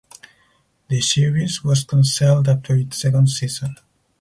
The series was cancelled after its second season.